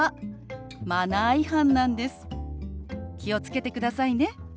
気を付けてくださいね。